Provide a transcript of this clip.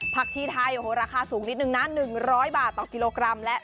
ผักชี้ไทยโอ้โหราคาสูงนิดหนึ่งนะหนึ่งร้อยบาทต่อกิโลกรัมและ